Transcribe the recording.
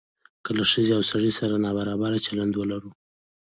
که له ښځې او سړي سره نابرابر چلند ولرو.